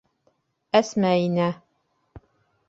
Әсмә инә.